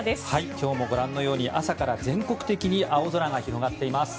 今日もご覧のように朝から全国的に青空が広がっています。